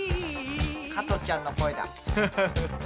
カトちゃんの声だ。